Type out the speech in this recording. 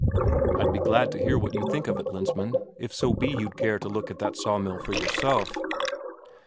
"I'd be glad to hear what you think of it, Lensmand, if so be you'd care to look at that sawmill for yourself."